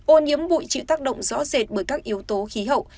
ô nhiễm bụi chịu tác động rõ rệt bởi các yếu tố khí hậu